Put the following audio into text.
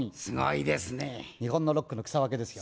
日本のロックの草分けですよ。